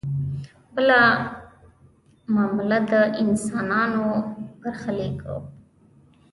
بله معامله د حیواناتو برخلیک و.